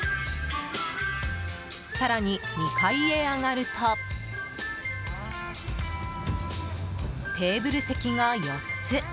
更に、２階へ上がるとテーブル席が４つ。